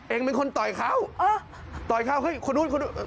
เองเป็นคนต่อยเขาต่อยเขาเฮ้ยคนนู้นคนนู้น